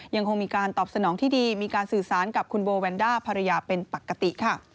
ยังคงมีการตอบสนองที่ดีมีการสื่อสารกับคุณโบแวนด้าภรรยาเป็นปกติค่ะ